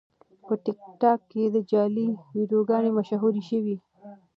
په ټیکټاک کې جعلي ویډیوګانې مشهورې شوې.